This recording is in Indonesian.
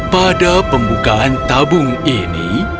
pada pembukaan tabung ini